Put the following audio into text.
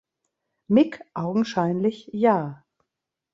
Mick augenscheinlich ja.